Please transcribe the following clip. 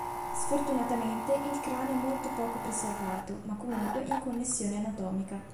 Sfortunatamente il cranio è molto poco preservato, ma comunque in connessione anatomica.